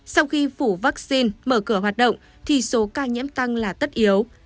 sau khi phủ vaccine mở cửa hoạt động thì số ca nhiễm tăng là tất yếu